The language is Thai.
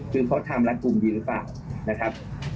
คือเขาทำรัดกลุ่มดีหรือเปล่านะครับ